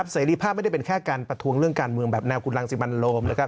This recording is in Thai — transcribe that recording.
เสรีภาพไม่ได้เป็นแค่การประท้วงเรื่องการเมืองแบบแนวคุณรังสิมันโรมนะครับ